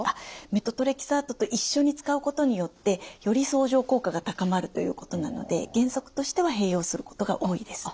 メトトレキサートと一緒に使うことによってより相乗効果が高まるということなので原則としては併用することが多いです。